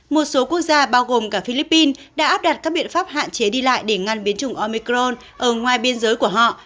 một số quốc gia bao gồm cả philippines đã áp đặt các biện pháp hạn chế đi lại để ngăn biến chủng omicron ở ngoài biên giới của họ